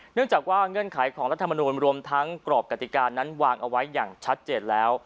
เนื่องจากว่าเงื่อนไขของรัฐมนูลรวมทั้งกรอบกติกานั้นวางเอาไว้อย่างชัดเจนแล้ว